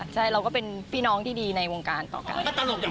ใช่เราก็เป็นพี่น้องที่ดีในวงการต่อกัน